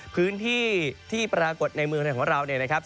พื้นที่ที่ปรากฏในเมืองไทยของเราเนี่ยนะครับ